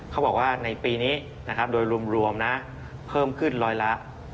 เขาบอกว่าในปีนี้นะครับโดยรวมนะเพิ่มขึ้นร้อยละ